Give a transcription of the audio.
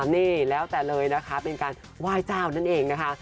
นี่แล้วแต่เลยนะคะเป็นการไหว้เจ้านั่นเองนะคะ